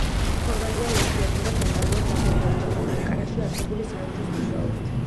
ხორვატია ურთიერთობებს აწარმოებს აზერბაიჯანთან ანკარაში არსებული საელჩოს მეშვეობით.